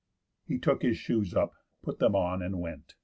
He took his shoes up, put them on, and went.